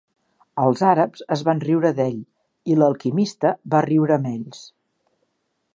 Els àrabs es van riure d'ell, i l'alquimista va riure amb ells.